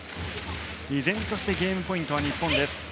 依然としてゲームポイントは日本です。